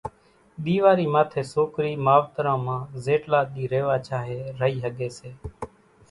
ۮيوارِي ماٿي سوڪرِي ماوتران مان زيٽلا ۮِي ريوا چاھي رئِي ۿڳي سي